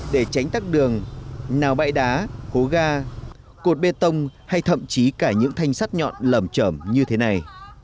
để tránh tắc đường nào bãi đá hố ga cột bê tông hay thậm chí cả những thanh sắt nhọn lầm trởm như thế này